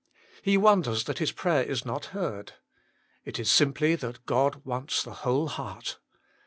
He wonders that his prayer is not heard. It is simply that God wants the whole heart.